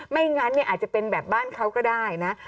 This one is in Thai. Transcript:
ไม่งั้นอาจจะเป็นแบบบ้านเขาก็ได้นะ